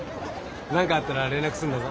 何かあったら連絡するんだぞ。